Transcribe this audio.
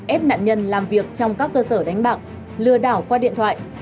ép nạn nhân làm việc trong các cơ sở đánh bạc lừa đảo qua điện thoại